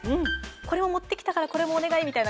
これを持ってきたからこれもお願いと。